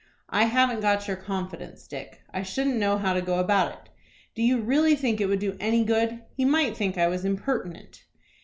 "I haven't got your confidence, Dick. I shouldn't know how to go about it. Do you really think it would do any good? He might think I was impertinent."